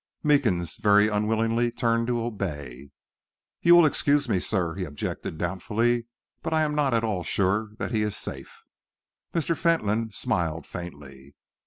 Meekins very unwillingly turned to obey. "You will excuse me, sir," he objected doubtfully, "but I am not at all sure that he is safe." Mr. Fentolin smiled faintly.